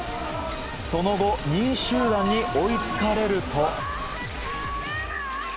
その後、２位集団に追いつかれると。